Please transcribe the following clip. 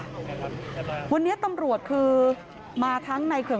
โชว์บ้านในพื้นที่เขารู้สึกยังไงกับเรื่องที่เกิดขึ้น